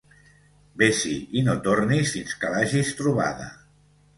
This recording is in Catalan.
Ves-hi i no tornis fins que l'hagis trobada